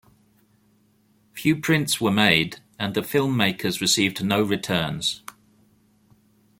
Few prints were made and the film-makers received no returns.